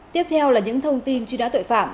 tiếp theo là những thông tin truy nã tội phạm